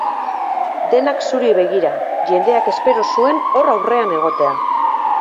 Denak zuri begira, jendeak espero zuen hor aurrean egotea.